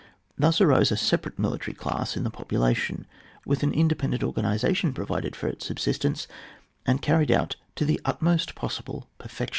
Thus arose a separate military clase in the population, with an independent organisation provided for its subsistence, and carried out to the utmost possible perfection.